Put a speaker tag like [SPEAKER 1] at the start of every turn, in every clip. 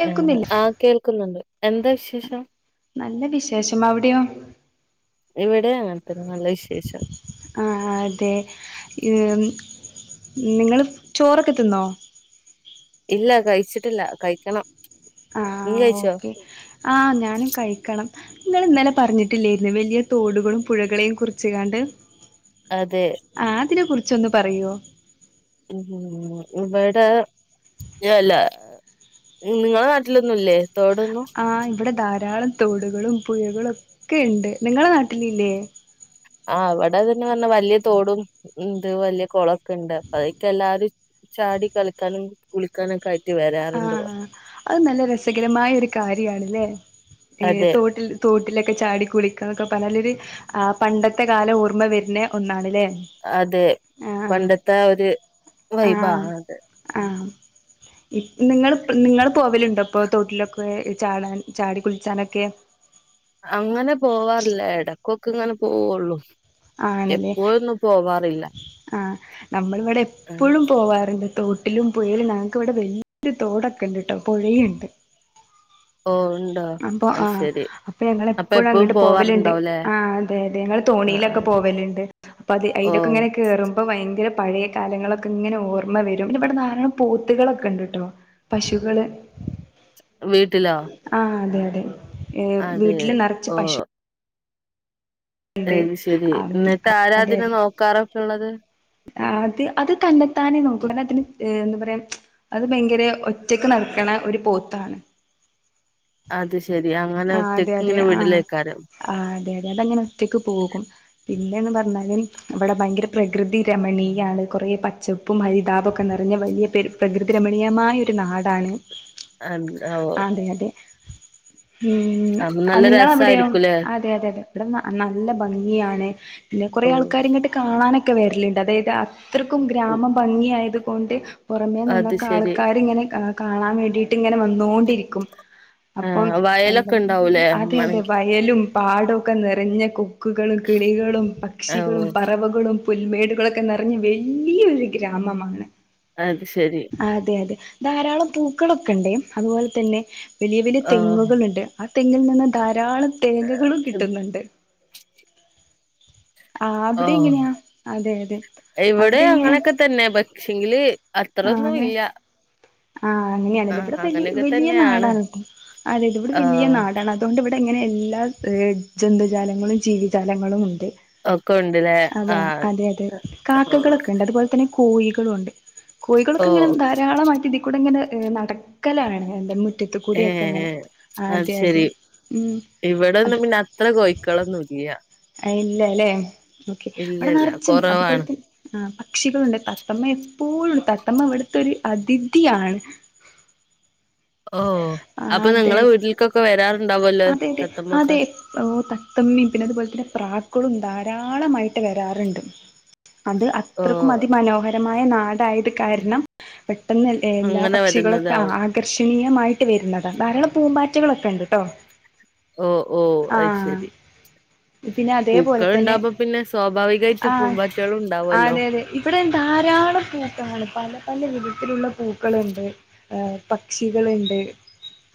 [SPEAKER 1] കേൾക്കുന്നില്ല
[SPEAKER 2] ആഹ് കേൾക്കുന്നുണ്ട് എന്താ വിശേഷം
[SPEAKER 1] നല്ല വിശേഷം അവിടെയോ
[SPEAKER 2] ഇവിടെ അങ്ങനെ തന്നെ നല്ല വിശേഷം
[SPEAKER 1] ആ അതെ ഈമ് നിങ്ങള് ചോറൊക്കെ തിന്നോ
[SPEAKER 2] ഇല്ല കഴിച്ചിട്ടില്ല കഴിക്കണം
[SPEAKER 1] ആ
[SPEAKER 2] നീ കഴിച്ചോ
[SPEAKER 1] ഓക്കെ ആ ഞാനും കഴിക്ക ങ്ങൾ ഇന്നലെ പറഞ്ഞിട്ടില്ലായിരുന്നോ വലിയ തോടുകളും പുഴകളെയും കുറിച്ചിങ്ങാണ്ട്
[SPEAKER 2] അതെ
[SPEAKER 1] ആ അതിനെ കുറിച്ചൊന്ന് പറയുവോ
[SPEAKER 2] ഉ ഇവിടെ ഞാല്ല നിങ്ങള നാട്ടിലൊന്നുംല്ലേ തോടൊന്നും
[SPEAKER 1] ആ് ഇവിടെ ധാരാളം തോടുകളും പുഴകളും ഒക്കെ ഉണ്ട് നിങ്ങളെ നാട്ടില് ഇല്ലേ
[SPEAKER 2] ആ അവിടെതന്നെ പറഞ്ഞാ വലിയ തോടും ഇന്ത് വലിയ കുളൊക്കെ ഇണ്ട് അതിക്ക് എല്ലാരും ചാടി കളിക്കാനും കുളിക്കാനൊക്കെ വരാറുണ്ട് പുറത്ത്
[SPEAKER 1] ആഹ് അത് നല്ല രസകരമായ ഒരു കാര്യാണല്ലേ ഏ
[SPEAKER 2] അതെ
[SPEAKER 1] തോട്ടിൽ തോട്ടിലൊക്കെ ചാടി കുളിക്കാന്നൊക്കെ പറഞ്ഞാലോരു ആ പണ്ടത്തെ കാലം ഓർമ്മ വരുന്ന ഒന്നാണല്ലേ
[SPEAKER 2] അതെ പണ്ടത്തെ ഒരു
[SPEAKER 1] ആഹ്
[SPEAKER 2] വൈബാണത്
[SPEAKER 1] നിങ്ങള് നിങ്ങ പോവലുണ്ടോ ഇപ്പൊ തോട്ടിലൊക്കെ ചാടാൻ ചാടി കുളിച്ചാനൊക്കെ
[SPEAKER 2] അങ്ങനെ പോവാറില്ല ഇടക്കൊക്കെ ഇങ്ങനെ പോവുള്ളു എപ്പോഴൊന്നും പോവാറില്ല
[SPEAKER 1] ആ നമ്മളിവിടെ
[SPEAKER 2] ആഹ്
[SPEAKER 1] എപ്പഴും പോവാറുണ്ട് തോട്ടിലും പുയയിലും ഞങ്ങക്ക് ഇവിടെ വല്യ തോടൊക്കെണ്ട് ട്ട പുഴയുണ്ട്
[SPEAKER 2] ഓ ഉണ്ടോ
[SPEAKER 1] അപ്പൊ
[SPEAKER 2] അത്
[SPEAKER 1] ആ
[SPEAKER 2] ശെരി
[SPEAKER 1] അപ്പൊ ഞങ്ങ
[SPEAKER 2] അപ്പൊ
[SPEAKER 1] എപ്പോഴും
[SPEAKER 2] എപ്പഴും
[SPEAKER 1] അങ്ങോട്ട് പോവലുണ്ട്
[SPEAKER 2] പോവാറുണ്ടാവുംല്ലേ
[SPEAKER 1] ആ അതെ അതെ
[SPEAKER 2] ആഹ്
[SPEAKER 1] ങ്ങള് [inaudible]
[SPEAKER 2] ആഹ്
[SPEAKER 1] പോവലുണ്ട് അപ്പൊ അത്
[SPEAKER 2] ഓ
[SPEAKER 1] അയിലൊക്കെ ഇങ്ങനെ കേറുമ്പോ ഭയങ് പഴയ കാലങ്ങളൊക്കെങ്ങനെ ഓർമ്മ വരും പിന്നെ ഇവിടെ ധാരാളം പോത്തുകളൊക്കെ ഇണ്ട്ട്ട പശുകള്
[SPEAKER 2] ച്ച് വീട്ടിലാ
[SPEAKER 1] ആ അതെ അതെ വീട്ടില് നിറച്ച്
[SPEAKER 2] ഓ
[SPEAKER 1] പശു
[SPEAKER 2] അത് ശെരി
[SPEAKER 1] ആ
[SPEAKER 2] എന്നിട്ട് ആരാതിനെ നോക്കാറൊക്കെ ഇള്ളത്
[SPEAKER 1] ആത് അ തന്നെത്താനേ നോക്കും ന്നതിന് എന്താ പറയാ അത് ഭയങ്കര ഒറ്റക്ക് നിൽക്കണ ഒരു പോത്താണ് [unintelligible]
[SPEAKER 2] അത് ശെരി അങ്ങനെ
[SPEAKER 1] ആ അതെ
[SPEAKER 2] ഒറ്റക്ക്
[SPEAKER 1] അതെ
[SPEAKER 2] ഇങ്ങനെ
[SPEAKER 1] ആഹ
[SPEAKER 2] വിടലേക്കാരം
[SPEAKER 1] ആ അതെെ അതങ്ങനെ ഒറ്റക്ക് പോകും പിന്നെന്ന് പറഞ്ഞാൽ ഇവിടെ ഭയങ്കര പ്രകൃതി രമണീയമാണ് കുറെ പച്ചപ്പും ഹരിതാപൊക്കെ നിറഞ്ഞ വലിയ പെരു പ്രകൃതി രമണീയമായ ഒരു നാടാണ്
[SPEAKER 2] അഹെ ന്താവോ
[SPEAKER 1] അതെ അതെ ഉം അ
[SPEAKER 2] നല്ല
[SPEAKER 1] നിങ്ങള അവിടെയാോ
[SPEAKER 2] രസായിരിക്കൂലേ
[SPEAKER 1] അതെ അതെ അതെ ഇവിടെ നല്ല ഭംഗിയാണ് കുറെേ
[SPEAKER 2] ഓ
[SPEAKER 1] ആൾക്കാര് ഇങ്ങട്ട് കാണാനൊക്കെ വരൽണ്ട് അതായത് അത്രക്കും ഗ്രാമ ഭംഗിയായത് കൊണ്ട് പുറമെ
[SPEAKER 2] അത്
[SPEAKER 1] നിന്നൊക്കെ
[SPEAKER 2] ശെരി
[SPEAKER 1] ആൾക്കാർ ഇങ്ങനെ കാണാൻ വേണ്ടിയിട്ട് ഇങ്ങനെ വന്നോണ്ടിരിക്കും അപ്പം
[SPEAKER 2] ആഹ്
[SPEAKER 1] എന്താ
[SPEAKER 2] വയലൊക്കെ ഉണ്ടാവൂലേ
[SPEAKER 1] അതെ അതെ
[SPEAKER 2] ഉമ്മാണെങ്കി
[SPEAKER 1] വയലും പാടൊക്കെ നിറഞ്ഞ കൊക്കുകളും കിളികളും
[SPEAKER 2] ഓ
[SPEAKER 1] പക്ഷികളും പറവകളും പുൽമേടുകളൊക്കെ നിറഞ് വല്യോരു ഗ്രാമമാണ്
[SPEAKER 2] അത് ശരി
[SPEAKER 1] അതെ അതെ ധാരാളം പൂക്കളൊക്കെണ്ട് അതുപോലെ തന്നെ വല്യ വല്യ
[SPEAKER 2] ആഹ്
[SPEAKER 1] തെങ്ങുകളുണ്ട് ആ തെങ്ങിൽ നിന്ന് ധാ രാളം തേങ്ങകളും കിട്ടുന്നുണ്ട് ആ അവിടെ എങ്ങനെയാ അതെ അതെ അവിടെ
[SPEAKER 2] ഇവിടേം
[SPEAKER 1] എങ്ങനെയാ
[SPEAKER 2] അങ്ങനെയൊക്കെ തന്നെ പക്ഷെങ്കില്
[SPEAKER 1] ആ അതെ
[SPEAKER 2] അത്രൊന്നുംല്ല
[SPEAKER 1] ആ അങ്ങനെയാണല്ലോ ഇവിടെ വെലി വെലിയ
[SPEAKER 2] തന്നെയാണ്
[SPEAKER 1] നാടാണ് അതെതെ ഇവിടെ വലിയ
[SPEAKER 2] ആഹ്
[SPEAKER 1] നാടാണ് അതോണ്ട് അ ഇങ്ങനെ എല്ലാ ഏ ജന്തുജാലങ്ങളും ജീവിജാലങ്ങളും ഉണ്ട്
[SPEAKER 2] ഒക്കെ ഉണ്ട്ല്ലേ ആഹ്
[SPEAKER 1] അതെ അതെ
[SPEAKER 2] ആഹ്
[SPEAKER 1] കാക്കകളൊക്കെ ണ്ട് അതേപോലെ തന്നെ കോഴികളുണ്ട്
[SPEAKER 2] ഓ
[SPEAKER 1] കോഴികളൊക്കെ ങ്ങനെ ധാരാളമായിട്ട് ടി ങ്ങനെ നടക്കലാണ് എന്ത മുറ്റത്ത് കൂടിയൊക്കെ ങ്ങനെ അതെ അതെ. ഉം
[SPEAKER 2] ഇവിടെന്നും പിന്നെ അത്ര കോയിക്കളൊന്നുല്ല.
[SPEAKER 1] അയില്ലല്ലേ? ഓക്കെ ഇവിടെ നറച്ചുണ്ട് അതുപോലെ
[SPEAKER 2] കൊറവാണ്
[SPEAKER 1] തന്നെ് ആ പക്ഷികളുണ്ട് തത്തമ്മ പ്പോഴും തത്തമ്മ ഇവ്ടുത്തൊരു അതിഥിയാണ്.
[SPEAKER 2] ഓ
[SPEAKER 1] ആ
[SPEAKER 2] അപ്പൊ
[SPEAKER 1] അതെ
[SPEAKER 2] നിങ്ങളെ വീട്ടിൽക്കൊക്കെ വരാറുണ്ടാവല്ലോ
[SPEAKER 1] അതെ അതെ
[SPEAKER 2] തത്തമ്മൊക്കെ
[SPEAKER 1] അതെ ഓ ത ത്തമ്മിം പ്പിന്നത് പോൽ പ്രാക്കുളും ധാരാളമായിട്ട് വരാറുണ്ട്. അത്
[SPEAKER 2] ഓ
[SPEAKER 1] അത്രക്കും അതിമനോഹര മായ നാടായത് കാരണം പെട്ടെന്ന് എ എല്ലാ
[SPEAKER 2] അങ്ങനെ
[SPEAKER 1] പക്ഷികളൊക്കെ
[SPEAKER 2] വരുന്നതാവും
[SPEAKER 1] ആകർഷണീയ മായിട്ട് വരുന്നത ധാരാളം പൂമ്പാറ്റകളൊക്കെ ഇണ്ട്ട്ടോ.
[SPEAKER 2] ഓ ഓ അത് ശെരി.
[SPEAKER 1] പിന്നെ അതേപോലെ തന്നെ
[SPEAKER 2] പൂക്കളുണ്ടാവുമ്പോ പിന്നെ സ്വാഭാവികായിട്ട് പൂമ്പാറ്റാളുണ്ടാവല്ലോ.
[SPEAKER 1] ൻ ധാരാളം കൂട്ടങ്ങള് പല പല വിധത്തിലുള്ള പൂക്കളുണ്ട്. എ പക്ഷികള്ണ്ട്.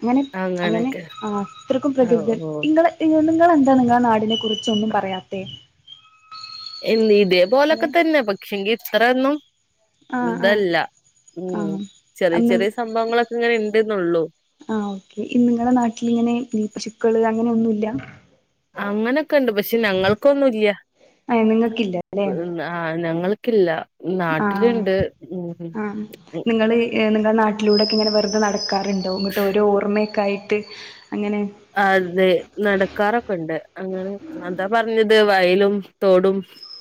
[SPEAKER 1] അങ്ങനെ അങ്ങനെ
[SPEAKER 2] അങ്ങനൊക്കെ
[SPEAKER 1] അത്രയ്ക്കും
[SPEAKER 2] ഓ
[SPEAKER 1] പ്രകൃതി
[SPEAKER 2] ഓ
[SPEAKER 1] ങ്ങള് ഇങ്ങളെന്താണ് ഇങ്ങളെ നാടിനെ കുറിച്ചൊന്നും പറയാത്തെ?
[SPEAKER 2] എ
[SPEAKER 1] അല്ലെ
[SPEAKER 2] ഇതേപോലൊക്കെ തന്നെ പക്ഷെങ്കി ഇത്രൊന്നും
[SPEAKER 1] ആഹ്
[SPEAKER 2] ഇതല്ല. ഉം
[SPEAKER 1] ആഹ്
[SPEAKER 2] ചെറിയ
[SPEAKER 1] ആഹ്
[SPEAKER 2] ചെറിയ സംഭവങ്ങളൊക്കെ ഇങ്ങനെ ഇണ്ട്ന്നൊള്ളു.
[SPEAKER 1] ആ ഓക്കെ ഇങ്ങളെ നാട്ടിലിങ്ങനെ പശുക്കള് അങ്ങനൊന്നുല്ല?
[SPEAKER 2] അങ്ങനൊക്കെ ണ്ട് പക്ഷെ ഞങ്ങൾക്കൊന്നുല്ല
[SPEAKER 1] ഏഹ് നിങ്ങക്കില്ല
[SPEAKER 2] ആ ഞങ്ങൾ ക്കില്ല.
[SPEAKER 1] ആ ആ നിങ്ങള് ഏ മ്മുടെ നാട്ടിലൂടെ ക്കിങ്ങനെ വെറുതെ നടക്കാറുണ്ടോ ഇങ്ങട്ട് ഒര് ഓർമ്മക്കായിട്ട്.
[SPEAKER 2] അതെ നടക്കാറൊക്കുണ്ട് അങ്ങനെ അതാ പറഞ്ഞത് വയൽ ലും തോടും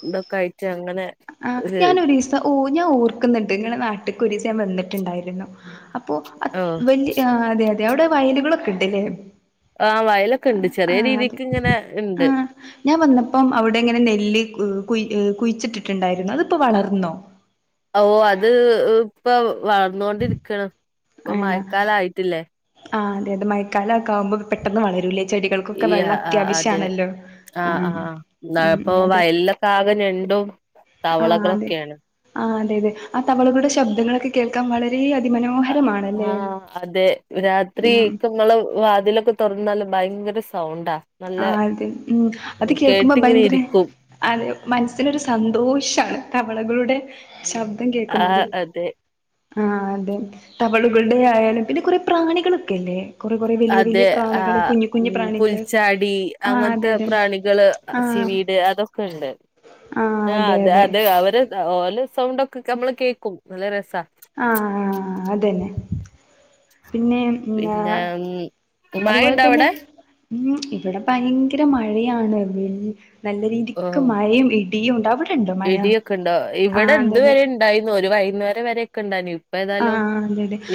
[SPEAKER 2] ഇതൊക്കായിറ്റ് അങ്ങനെ
[SPEAKER 1] ആ്
[SPEAKER 2] ഒരു
[SPEAKER 1] ഞാനൊരീസസം ഒ ഞാൻ ഓർക്ക്ന്ന്ണ്ട് ഇങ്ങളെ നാട്ട്ക്കൊരീസം ഞാൻ വന്നിട്ടുണ്ടായിരുന്നു. അപ്പോ അ
[SPEAKER 2] ആഹ്
[SPEAKER 1] വെല് ആ അതെ അതെ അവിടെ വയലുളൊക്കെണ്ട്ല്ലേ?
[SPEAKER 2] ആ വയലൊക്കെണ്ട് ചെറിയ രീതിക്ക്ങ്ങനെ ഇണ്ട്.
[SPEAKER 1] ആഹ് ഞാൻ വന്നപ്പം അവിടെങ്ങനെ നെല്ല് ഉ കുഴി കുഴിച്ചിട്ടിട്ടുണ്ടായിരുന്നു അതിപ്പോ വളർന്നോ?
[SPEAKER 2] ഓ അത് ഇപ്പൊ വളർന്നൊണ്ടിരിക്ക്ണ് ഇപ്പൊ മയക്കാലായിട്ടില്ലേ.
[SPEAKER 1] ആ അതെ തെ മഴക്കാലൊക്കാകുമ്പോ പെട്ടെന്ന് വളരൂല്ലേ?
[SPEAKER 2] ഈ ആ ആ അതെ ആ
[SPEAKER 1] ആഹ്
[SPEAKER 2] ആ അ ന്നാകപ്പോ
[SPEAKER 1] ഉം അതെ
[SPEAKER 2] വയലിലൊക്കാകെ ഞ ണ്ടും തവളകളൊക്കേണ്.
[SPEAKER 1] തെ ആ തവളകുടെ ശബ്ദങ്ങളൊക്കെ കേൾക്കാൻ വളരെ അതിമനോഹരമാണല്ലേ?
[SPEAKER 2] ആഹ് അതെ രാത്രി
[SPEAKER 1] ഉം
[SPEAKER 2] ഒക്കെ ങ്ങള് വാതിലൊക്കെ തൊർന്നാല് ഭയങ്കര സ്
[SPEAKER 1] ആ അതെ ഉം അത് കേൾക്കുമ്പോ
[SPEAKER 2] കേട്ടിങ്ങനെ
[SPEAKER 1] ഭയങ്കര
[SPEAKER 2] ഇരിക്കും
[SPEAKER 1] അതെ മനസ്സിനൊരു സന്തോഷാണ് തവ ളകളുടെ ശബ്ദം കേക്കുന്നത്.
[SPEAKER 2] ആഹ് അതെ
[SPEAKER 1] ആ അതെ തവളുകൾടെ യായാലും പിന്നെ കൊറെ പ്രാണികളൊക്കെല്ലേ? കൊറേ കൊറേ വലിയ വലിയ പ്രാണികള് കുഞ്ഞു കുഞ്ഞു പ്രാണികള്.
[SPEAKER 2] ടീ
[SPEAKER 1] ആഹ്
[SPEAKER 2] അങ്ങൻത്തെ
[SPEAKER 1] അതെ അതെ
[SPEAKER 2] പ്രാണികള്
[SPEAKER 1] ആഹ്
[SPEAKER 2] ചിവീട് അതൊക്കെണ്ട്. ആ അതെ അതെ അവര് ഓല സൗണ്ടൊക്കെ കെ നമ്മള് കേക്കും നല്ല രസ.
[SPEAKER 1] ആഹ ആ അതന്നെ. പിന്നെ ന്നാ
[SPEAKER 2] പിന്നെ
[SPEAKER 1] അതുപോലെ
[SPEAKER 2] മഴണ്ടോ
[SPEAKER 1] തന്നെ
[SPEAKER 2] അവിടെ
[SPEAKER 1] മ് ഇവിടെ ഭയങ്കര മഴയാണ്, വ് നല്ല രീതിക്ക്
[SPEAKER 2] ഓഹ്
[SPEAKER 1] മഴയും ഇ യ്യുണ്ട അവ്
[SPEAKER 2] ഇടിയൊക്കെണ്ടോ ഇവിടെ
[SPEAKER 1] അതെ
[SPEAKER 2] ഇതുവരെ ഉണ്ടയ്ന്നു, ഒരു വൈന്നേരം വരൊക്കെണ്ടയ്നു, ഇ പ്പ ഏതായാലും
[SPEAKER 1] ആഹ്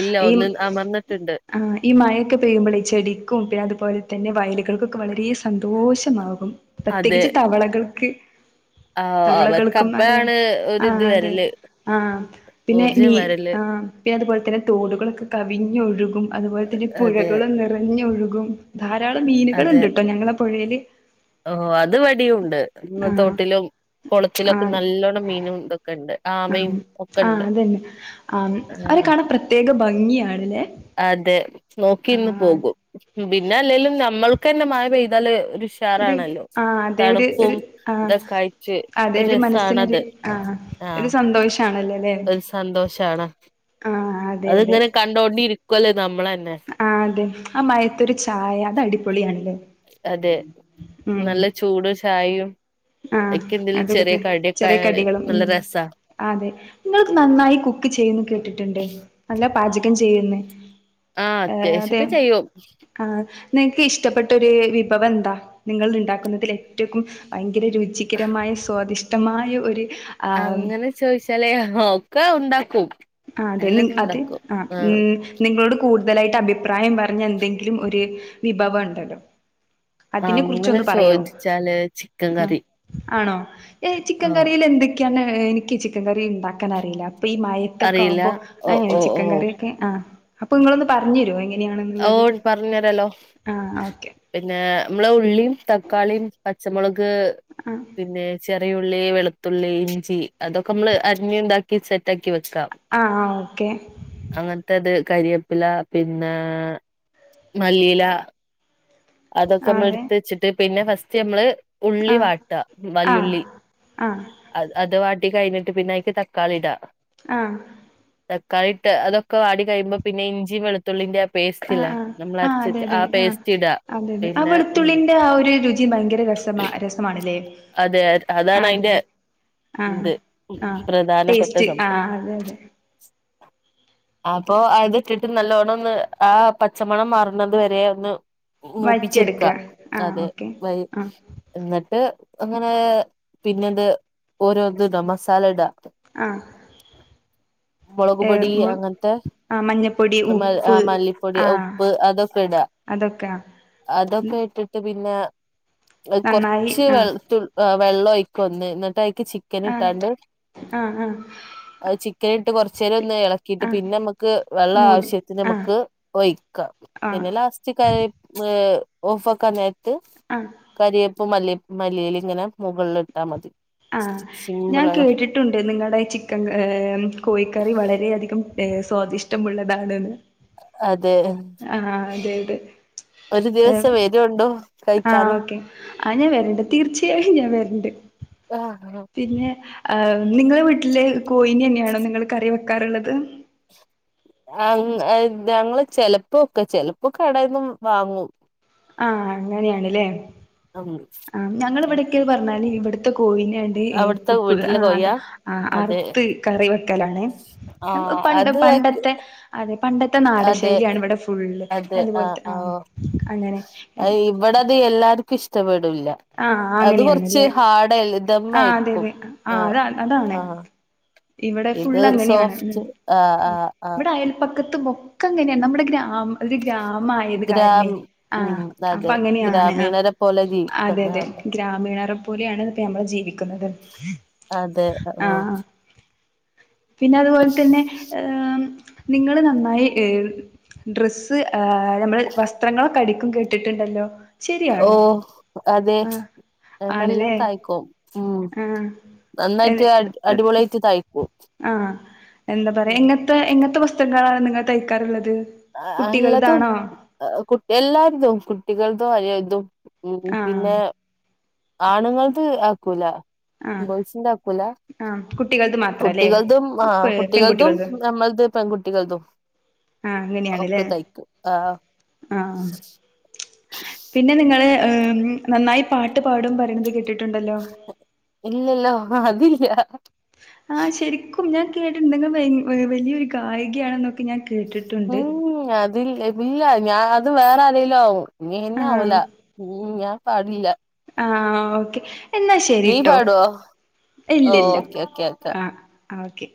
[SPEAKER 2] ഇല്ല ഒന്ന് അമർന്നിട്ടുണ്ട്.
[SPEAKER 1] ആ ഈ മഴൊക്കെ പെയ്യുമ്പള് ചെടിക്കും പിന്നെ അതുപോലെ തന്നെ വയ കൾക്കൊക്കെ വളരെ സന്തോഷമാകും
[SPEAKER 2] അതെ
[SPEAKER 1] പ്രത്യേകിച്ച് തവളകൾക്ക്.
[SPEAKER 2] ആഹ് അവർക്ക്
[SPEAKER 1] തവളകൾക്കും അതെ
[SPEAKER 2] അപ്പഴാണ് ഒരിത്
[SPEAKER 1] ആഹ് അതെ
[SPEAKER 2] വരല്
[SPEAKER 1] ആഹ് പിന്നെ മീ
[SPEAKER 2] ഊർജം വരല്
[SPEAKER 1] ആ പിന്നെ അതുപോലെ തന്നെ തോടുകളൊക്കെ കവിഞ്ഞൊഴുകും. അതുപോലെ തന്നെ
[SPEAKER 2] അതെ
[SPEAKER 1] പുഴകളും നിറഞ്ഞൊഴുകും. ധാരാളം
[SPEAKER 2] അതെ
[SPEAKER 1] മീനുകളുണ്ട് കേട്ടോ ഞങ്ങളെ പുഴയില്.
[SPEAKER 2] ഓ അത് വിടിയുംണ്ട്
[SPEAKER 1] ആഹ്
[SPEAKER 2] തോട്ടിലും കുളത്തിലൊക്കെ
[SPEAKER 1] ആഹ്
[SPEAKER 2] നല്ലോണ്ണം മീനും ഇതൊക്കെ ഉണ്ട്. ആമയും
[SPEAKER 1] ആഹ്
[SPEAKER 2] ഒക്കെ
[SPEAKER 1] ആഹ്
[SPEAKER 2] ഉണ്ട്
[SPEAKER 1] അതന്നെ. ആ അവരെ
[SPEAKER 2] ആഹ്
[SPEAKER 1] കാണ പ്രത്യേക ഭംഗിയണല്ലേ.
[SPEAKER 2] അതെ നോക്കിന്ന് പോകും. പിന്നെ അല്ലെലും നമ്മൾ ഒക്കെന്ന മഴ പെയ്താല്
[SPEAKER 1] ഒരു
[SPEAKER 2] ഉഷാറാണല്ലോ
[SPEAKER 1] ആ അതെ ഒരു
[SPEAKER 2] തണുപ്പും
[SPEAKER 1] ഒരു ആ
[SPEAKER 2] ഇതൊക്കെ ആയിട്ട്
[SPEAKER 1] അതെ ഒരു മനസ്സിനൊരു
[SPEAKER 2] രസാണത്
[SPEAKER 1] ആ ഒരു
[SPEAKER 2] ആഹ്
[SPEAKER 1] സന്തോഷ ആണല്ലേ അല്ലെ ആഹ് അതെ അതെ
[SPEAKER 2] അത്ങ്ങനെ കണ്ടോണ്ടിരിക്കുവല്ലേ. നമ്മളന്നെ
[SPEAKER 1] ആ അതെ ആ മയത്തരു ചായ അത് അടിപൊളിയാണല്ലേ.
[SPEAKER 2] അതെ
[SPEAKER 1] ഉം
[SPEAKER 2] നല്ല ചൂട് ചായയും
[SPEAKER 1] ആ
[SPEAKER 2] അഐക്കെന്തില ചെറിയ
[SPEAKER 1] അതൊക്കെ ചെറിയ
[SPEAKER 2] കടിക്കെആയ
[SPEAKER 1] കടികളും
[SPEAKER 2] നല്ല
[SPEAKER 1] ഉം
[SPEAKER 2] രസ.
[SPEAKER 1] അതെ നിങ്ങൾക്ക് നന്നായി കുക്ക് ചെയ്യുന്നു കേട്ടിട്ടുണ്ട് നല്ല പാചകം ചെയ്യുന്ന
[SPEAKER 2] ആഹ്
[SPEAKER 1] ഏ അതെ
[SPEAKER 2] അത്യാവശ്യൊക്കെ ചെയ്യും
[SPEAKER 1] ആഹ് നിങ്ങക്ക് ഇഷ്ടപ്പെട്ട ഒരു വിഭവം എന്താ നിങ്ങൾ ഉണ്ടാക്കുന്നതിൽ ഏറ്റവും ഒരെ രുചികരമായ സ്വാദിഷ്ടമായ ഒരു ആ
[SPEAKER 2] അങ്ങനെ ചോദിച്ചാലേ നോക്ക ഉണ്ടാക്കും.
[SPEAKER 1] ആ അതെ നി
[SPEAKER 2] എല്ലാതും
[SPEAKER 1] അതെ
[SPEAKER 2] ഉണ്ടാക്കും
[SPEAKER 1] ആ ഉ
[SPEAKER 2] ആഹ്
[SPEAKER 1] നിങ്ങളോട് കൂടുതലായിട്ട് അഭിപ്രായം പറഞ്ഞ എന്തെങ്കിലും ഒരു വിഭവം ഉണ്ടല്ലോ. അതിനെ
[SPEAKER 2] അങ്ങനെ
[SPEAKER 1] കുറിച്ചൊന്ന് പറയോ
[SPEAKER 2] ചോദിച്ചാല് ചിക്കൻ
[SPEAKER 1] ഉം
[SPEAKER 2] കറി.
[SPEAKER 1] ആണോ ചിക്കൻ
[SPEAKER 2] ആഹ്
[SPEAKER 1] കറില് എന്തൊക്കെയാണ് എനിക്ക് ചിക്കൻ കറി ഉണ്ടാക്കാൻ അറിയില്ല അപ്പൊ ഈ തൊക്കെ
[SPEAKER 2] അറിയില്ല
[SPEAKER 1] ആവുമ്പോ
[SPEAKER 2] ഓ
[SPEAKER 1] അങ്ങനെ
[SPEAKER 2] ഓ ഓ
[SPEAKER 1] ചിക്കൻ കറിയ ഒക്കെ ആഹ് അപ്പൊ നിങ്ങളൊന്ന് പറഞ്ഞു തരോ?
[SPEAKER 2] ഓൺ പറഞ്ഞു തരല്ലോ.
[SPEAKER 1] ആ ഓക്കെ
[SPEAKER 2] പിന്നെ നമ്മളെ ഉള്ളിയും തക്കാളിയും പച്ചമുളക്
[SPEAKER 1] ആ
[SPEAKER 2] പിന്നെ ചെറിയുള്ളി വെളുത്തുള്ളി ഇഞ്ചി അതൊക്കെ നമ്മള് അരിഞ്ഞ ഇതാക്കി സെറ്റക്കി വെക്കാം
[SPEAKER 1] ആ ആ ഓക്കെ
[SPEAKER 2] അങ്ങനത്തത് കരിയപ്പില പിന്ന മല്ലിയില. അതൊക്കെ
[SPEAKER 1] ആ
[SPEAKER 2] ഞമ്മള്
[SPEAKER 1] അതെ
[SPEAKER 2] എടുത്ത് വച്ചിട്ട് പിന്നെ ഫസ്റ്റ് നമ്മള്
[SPEAKER 1] ആ
[SPEAKER 2] ഉള്ളി വാട്ട
[SPEAKER 1] ആ
[SPEAKER 2] വലിയുള്ളി
[SPEAKER 1] ആ ആ
[SPEAKER 2] അ അത് വ ട്ടി കഴിഞ്ഞിട്ട് പിന്ന അനിക്ക് തക്കാളിടാ.
[SPEAKER 1] ആഹ്
[SPEAKER 2] തക്കാളി ഇട്ട്തൊക്കൊ വാടി കഴിയുമ്പോ പിന്നെഞ്ചിയും വെളുത്തുള്ളിന്റെ പേസ്റ്റല്ലേ നമ്മൾ അരച്ച ആ പേസ്റ്റ ഇട.
[SPEAKER 1] അതെതെ ആ വെളുത്തുള്ളിന്റെ ആ ഒരു രുചി ഭയങ്കര രസ രസമാണല്ലേ.
[SPEAKER 2] അതെ അതാണ് അയിന്റെ
[SPEAKER 1] ആഹ് ആഹ് ടേസ്റ്റ്.
[SPEAKER 2] സംഭവം
[SPEAKER 1] ആഹ് അതെ അതെ.
[SPEAKER 2] അപ്പൊ അതി ഇട്ടിട്ട് നല്ലോണ്ണം ഒന്ന് ആ പച്ചമണം മാറണതു വരെ ഒന്ന് മൂപ്പിച്ചിടുക്ക
[SPEAKER 1] വഴറ്റിയെടുക്കുക ആ
[SPEAKER 2] അതെ
[SPEAKER 1] ഓക്കെ
[SPEAKER 2] വ
[SPEAKER 1] ആ
[SPEAKER 2] എന്നിട്ട് അങ്ങനെ പിന്നെത് ഓരോ ഇതുണ്ട മസാലടാ.
[SPEAKER 1] ആഹ്
[SPEAKER 2] മുളക്
[SPEAKER 1] ഏഹ്
[SPEAKER 2] പൊടി
[SPEAKER 1] മ്
[SPEAKER 2] അങ്ങനത്തെ
[SPEAKER 1] ആഹ് മഞ്ഞപ്പൊടി ഉപ്പ്
[SPEAKER 2] മല്ലിപ്പൊടി
[SPEAKER 1] ആഹ്
[SPEAKER 2] ഉപ്പ് അതൊക്കെ ഇടാ
[SPEAKER 1] അതൊക്കെ ആഹ്
[SPEAKER 2] അതൊക്കെ ഇട്ടിട്ട് പിന്നെ അഹ്
[SPEAKER 1] നന്നായി
[SPEAKER 2] കൊറ്ച്ച്
[SPEAKER 1] ആ
[SPEAKER 2] വെ ഏഹ് വെള്ളൊഴിക്കൊന്ന് ഇന്ന്ട്ടയിക്ക് ചിക്കന് ഇട്ടാണ്ട്
[SPEAKER 1] ഉം
[SPEAKER 2] അഹ് ചിക്കന്ട്ട് കൊറ്ച്ചേരൊന്ന് എളക്കീട്ട്
[SPEAKER 1] ആ
[SPEAKER 2] പിന്നെ അമ്മക്ക് വെള്ളം
[SPEAKER 1] മൂടി
[SPEAKER 2] ആവശ്യത്തിന്
[SPEAKER 1] ആ
[SPEAKER 2] അമ്മക്ക് ഒഴിക്കാ
[SPEAKER 1] ആ
[SPEAKER 2] പിന്നെ ലാസ്റ്റ് കരിവേ ഏഹ് ഓഫാക്കാ നേര്ത്ത്
[SPEAKER 1] ആ
[SPEAKER 2] കരിയേപ്പും മല്ലി മല്ലി എലിം ഇങ്ങനെ മൊകള്ല് ഇട്ടാമതി
[SPEAKER 1] ആഹ് ഞാൻ കേട്ടിട്ടുണ്ട് നിങ്ങള്ടെ ചിക്കൻ ക ഏഹ് കോഴിക്കറി വളരെയധികം ഏഹ് സ്വാദിഷ്ടമുള്ളതാണ്ന്ന്
[SPEAKER 2] അതെ
[SPEAKER 1] ആഹ് അതെ അതെ
[SPEAKER 2] ഒരു
[SPEAKER 1] ഏഹ്
[SPEAKER 2] ദിവസം വരുണ്ടോ
[SPEAKER 1] ആഹ്
[SPEAKER 2] കഴിക്കാന്
[SPEAKER 1] ഓക്കേ ആഹ് ഞാൻ വെര്ണ്ട് തീർച്ചയായും ഞാൻ വെര്ണ്ട്
[SPEAKER 2] ആ
[SPEAKER 1] പിന്നെ ആഹ് നിങ്ങളെ വീട്ടിലെ കോഴിനെന്നേണോ നിങ്ങള് കറി വെ ക്കാറ്ള്ളത്
[SPEAKER 2] അങ്ങ് അഹ് ഞങ്ങള് ചെലപ്പം വെക്കാ ചെലപ്പൊ കടേന്നും വാങ്ങും
[SPEAKER 1] ആഹ് അങ്ങനേണ്ലേ
[SPEAKER 2] ഉം
[SPEAKER 1] ആഹ് ഞങ്ങളെ ഇവിടൊക്ക്യേ പറ്ഞ്ഞാല് [unintelligible] കോഴിനാണ്ട് ഏഹ്
[SPEAKER 2] അവിടുത്തെ
[SPEAKER 1] പ് പ്
[SPEAKER 2] വീട്ടിലെ
[SPEAKER 1] ആഹ്
[SPEAKER 2] കൊയ്യ
[SPEAKER 1] അതെ ആഹ്
[SPEAKER 2] അതെ
[SPEAKER 1] അറ്ത്ത് കറി വെക്കലാണ് എമ് ഒ
[SPEAKER 2] ആഹ്
[SPEAKER 1] പണ്ട്
[SPEAKER 2] അത്
[SPEAKER 1] പണ്ടത്തെ അതെ പണ്ടത്തെ
[SPEAKER 2] അതെ
[SPEAKER 1] നാടൻശൈലിയാണ് ഇവടെ ഫുള്ള് പിന്നെ അതുപോല്ത്തെ ആഹ് അങ്ങനെ ഏഹ്
[SPEAKER 2] ഇക്കിഷ്ടപ്പെടുല്ലാ അത് കൊറ്ച്ച് ഹാഡ
[SPEAKER 1] ആഹ് അതെ അതെ ആഹ് അതാ അതാണ്
[SPEAKER 2] ആഹ്
[SPEAKER 1] ഇവിടെ
[SPEAKER 2] ഇത്
[SPEAKER 1] ഫുള്ളങ്ങനെയാണ് ഉം
[SPEAKER 2] സോഫ്റ്റ് ആഹ്
[SPEAKER 1] ഉം
[SPEAKER 2] ആഹ് ആഹ്
[SPEAKER 1] ഇവിടെ അയൽപ്പ പക്കത്ത് ബൊക്കങ്ങനെയാണ് നമ്മുടെ ഗ്രാമ ഒരു ഗ്രാമായത് കാരണെയ്
[SPEAKER 2] ഗ്രാമി
[SPEAKER 1] ആ
[SPEAKER 2] ഉം
[SPEAKER 1] അപ്പൊ
[SPEAKER 2] അതെ
[SPEAKER 1] അങ്ങനെയാണ് ആ
[SPEAKER 2] ഗ്രാമീണരെ പോലെ
[SPEAKER 1] അതെ
[SPEAKER 2] ജീവിക്കുന്ന
[SPEAKER 1] അതെ
[SPEAKER 2] ആൾക്കാ
[SPEAKER 1] ഗ്രാമീണറെ പോലെയാണ് നമ്മള് ജീവിക്കുന്നത്
[SPEAKER 2] അതെ
[SPEAKER 1] ആഹ
[SPEAKER 2] ഓഹ്
[SPEAKER 1] പിന്നെ അതുപോലെ തന്നെ നിങ്ങള് ഏ നന്നായി ഡ്രസ്സ് ഏ ആ നമ്മള് വസ്ത്രങ്ങളൊക്കെ അടിക്കും കേട്ടിട്ടുണ്ടല്ലോ?
[SPEAKER 2] ഓ
[SPEAKER 1] ശരിയാണോ
[SPEAKER 2] അതെ
[SPEAKER 1] ആഹ്
[SPEAKER 2] നല്ലോം
[SPEAKER 1] ആണ്ല്ലേ
[SPEAKER 2] തയ്ക്കും. ഉം
[SPEAKER 1] ആഹ്
[SPEAKER 2] നന്നായിട്ട്
[SPEAKER 1] ഏഹ്
[SPEAKER 2] അടിപൊളിയായിട്ട് തയ്ക്കും.
[SPEAKER 1] ആഹ് എന്താ പറയാ എങ്ങൻത്തെ എങ്ങത്തെ വസ്ത്രങ്ങളാണ് നിങ്ങൾ തയ്ക്കാറുള്ളത്?
[SPEAKER 2] അ ആ എല്ലതും
[SPEAKER 1] കുട്ടികൾതാണോ
[SPEAKER 2] കുട്ടി എല്ലാര്തും കുട്ടികൾതും വലിയര്തും ഉം
[SPEAKER 1] ആഹ്
[SPEAKER 2] പിന്നെ ആണുങ്ങൾത് ആക്കൂല.
[SPEAKER 1] ആഹ്
[SPEAKER 2] ബോയ്സിന്റാക്കൂലാ?
[SPEAKER 1] ആഹ് കുട്ടികൾത് മാത്രല്ലേ
[SPEAKER 2] കുട്ടികൾതും ആഹ് കുട്ടികൾതും
[SPEAKER 1] പെൺകുട്ടികൾത്
[SPEAKER 2] നമ്മൾതും പെൺകുട്ടികൾതും.
[SPEAKER 1] ആഹ് അങ്ങനെയാണ്ലേ
[SPEAKER 2] ഒക്കെ തയ്ക്കും ആ
[SPEAKER 1] ആഹ് പിന്നെ നിങ്ങള് ഏ ഉം നന്നായി പാട്ട് പാടും പറയുന്നത് കേട്ടിട്ട്
[SPEAKER 2] ഇല്ലല്ലോ അതില്ല.
[SPEAKER 1] ആഹ് ശരിക്കും ഞാൻ കേട്ടിട്ണ്ട് നിങ്ങള് വലിയൊരു ഗായികയാണെന്നൊ
[SPEAKER 2] ഉം അതില്ല ഇല്ല ഞാൻ അത് വേറെ ആരേലും ആവും ഇന്നെ
[SPEAKER 1] ആഹ്
[SPEAKER 2] ആവൂല ഉം ഞാൻ പാടില്ല.
[SPEAKER 1] ആഹ് ഓക്കെ എന്നാ
[SPEAKER 2] നീ
[SPEAKER 1] ശരിട്ടോ
[SPEAKER 2] പാടോ ഓ
[SPEAKER 1] ഇല്ലല്ല
[SPEAKER 2] ഓക്കെ ഓക്കെ ഓക്കെ
[SPEAKER 1] ആഹ് ആഹ് ഓക്കെ